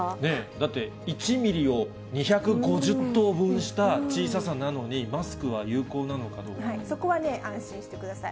だって、１ミリを２５０等分した小ささなのに、そこはね、安心してください。